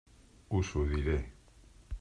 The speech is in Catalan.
Us ho diré.